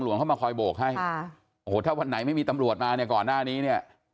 เข้ามาคอยโบกให้ค่ะโอ้โหถ้าวันไหนไม่มีตำรวจมาเนี่ยก่อนหน้านี้เนี่ย